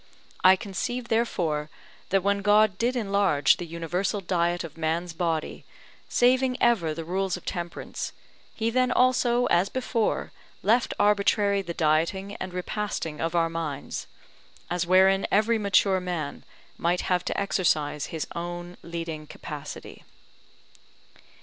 I conceive, therefore, that when God did enlarge the universal diet of man's body, saving ever the rules of temperance, he then also, as before, left arbitrary the dieting and repasting of our minds; as wherein every mature man might have to exercise his own leading capacity.